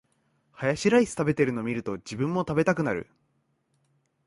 ハヤシライス食べてるの見ると、自分も食べたくなる